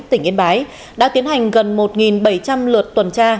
tỉnh yên bái đã tiến hành gần một bảy trăm linh lượt tuần tra